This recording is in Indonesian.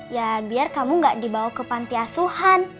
ya biar kamu gak dibawa ke pantiasuhan